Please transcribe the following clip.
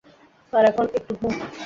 আর এখন একটু ঘুম।